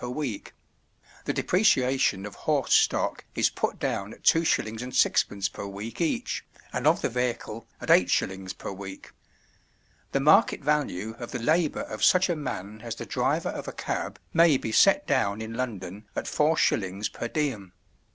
per week—the depreciation of horse stock is put down at 2s. 6d. per week each, and of the vehicle at 8s. per week. The market value of the labour of such a man as the driver of a cab may be set down in London at 4s. per diem.